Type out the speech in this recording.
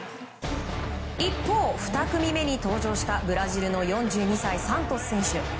一方、２組目に登場したブラジルの４２歳サントス選手。